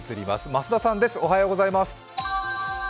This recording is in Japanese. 増田さんです、おはようございます。